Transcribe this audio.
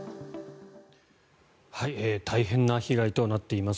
大変な被害となっています。